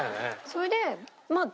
それでまあ